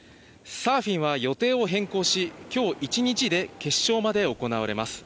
サーフィンは予定を変更し、今日一日で決勝まで行われます。